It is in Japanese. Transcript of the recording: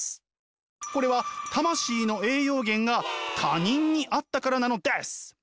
これは魂の栄養源が他人にあったからなのです。